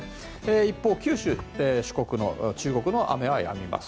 一方、九州、四国、中国の雨はやみます。